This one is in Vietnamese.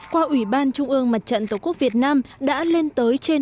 qua ủy ban trung ương mặt trận tổ quốc việt nam đã lên tới trên tám trăm sáu mươi năm tỷ đồng